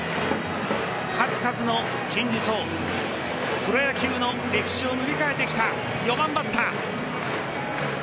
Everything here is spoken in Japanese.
数々の金字塔プロ野球の歴史を塗り替えてきた４番バッター。